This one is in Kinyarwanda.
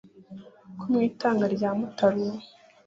ko mu itanga rya mutara uwo